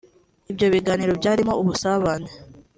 Ibyo biganiro byarimo n’ubusabane